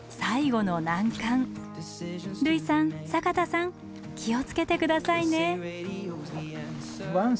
類さん坂田さん気を付けて下さいね。